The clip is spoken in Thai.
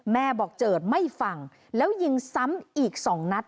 แม่บอกเจิดไม่ฟังแล้วยิงซ้ำอีก๒นัด